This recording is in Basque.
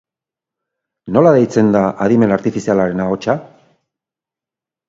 Nola deitzen da adimen artifizialaren ahotsa?